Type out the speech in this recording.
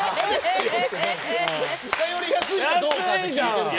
近寄りやすいかどうかで聞いてるから。